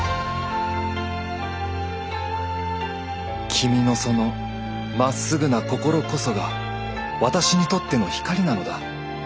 君のそのまっすぐな心こそが私にとっての光なのだ。